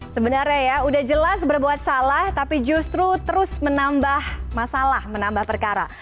sebenarnya ya udah jelas berbuat salah tapi justru terus menambah masalah menambah perkara